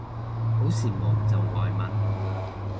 好羨慕就外文